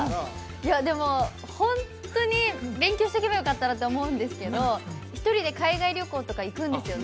いやでもホントに勉強しとけばよかったなって思うんですけど一人で海外旅行とか行くんですよ